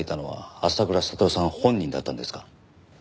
浅倉悟さん本人だったんですか？